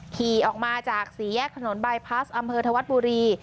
ขี่ออกมาจากสี่แยกถนนบายพลัสอำเภอธวัฒน์บุรี